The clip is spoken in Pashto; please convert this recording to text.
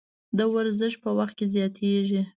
د ورزش په وخت کې زیاتیږي.